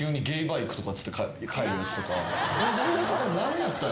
あれ何やったん？